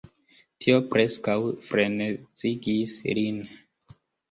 Tio preskaŭ frenezigis lin.